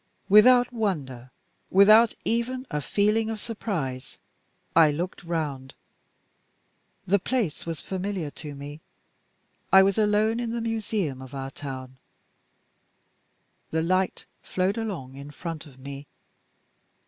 Without wonder, without even a feeling of surprise, I looked round. The place was familiar to me. I was alone in the Museum of our town. The light flowed along in front of me.